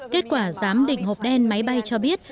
kết quả giám định hộp đen máy bay cho biết